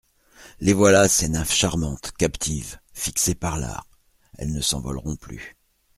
Les voilà, ces nymphes charmantes, captives, fixées par l'art ; elles ne s'envoleront plus.